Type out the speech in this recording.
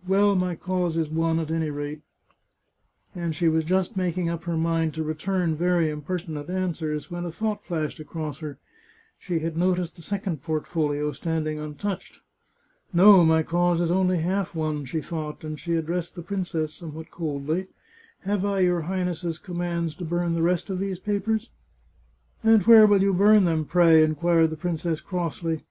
" Well, my cause is won, at any rate !" and she was just making up her mind to return very impertinent answers, when a thought flashed across her — she had noticed 458 The Chartreuse of Parma the second portfolio standing untouched. " No, my cause is only half won," she thought, and she addressed the princess, somewhat coldly, " Have I your Highness's com mands to burn the rest of these papers ?"" And where will you bum them, pray ?" inquired the princess crossly.